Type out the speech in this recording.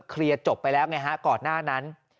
เคลียร์จบไปแล้วไงฮะก่อนหน้านั้น